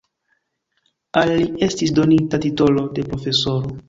Al li estis donita titolo de profesoro.